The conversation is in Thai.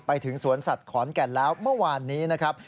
ไปถึงสวนสัตว์ขอนแก่นแล้วเมื่อวานนี้นะครับ